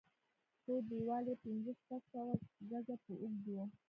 هر دېوال يې پنځه شپږ سوه ګزه به اوږد و.